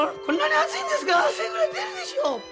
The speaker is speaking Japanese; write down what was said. こんなに暑いんですから汗ぐらい出るでしょう。